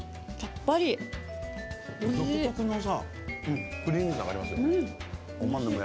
独特のクリーミーさがありますよね。